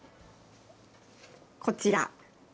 こちら。